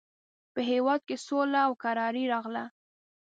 په هېواد کې سوله او کراري راغله.